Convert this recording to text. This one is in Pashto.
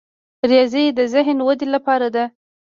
ریاضي د ذهني ودې لپاره ده.